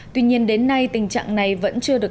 tuy nhiên đến nay tình trạng này vẫn chưa được